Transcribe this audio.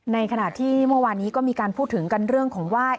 ในขณะที่เมื่อวานนี้ก็มีการพูดถึงกันเรื่องของว่า